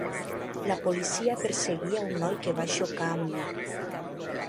La policia perseguia un noi que va xocar amb mi.